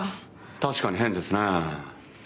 確かに変ですねえ。